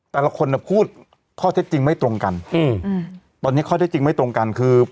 แต่ละคนน่ะพูดข้อเท็จจริงไม่ตรงกันอืมอืมตอนนี้ข้อเท็จจริงไม่ตรงกันคือ